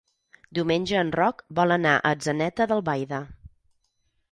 Diumenge en Roc vol anar a Atzeneta d'Albaida.